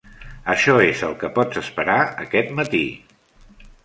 Això és el que pots esperar aquest matí.